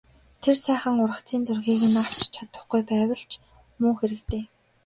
Тэр сайхан ургацын зургийг нь авч чадахгүй буцвал ч муу хэрэг дээ...